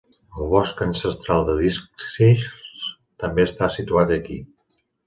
El bosc ancestral de Dickshills també està situat aquí.